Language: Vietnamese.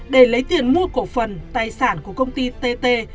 để lấy tiền mua cổ phần tài sản của công ty tt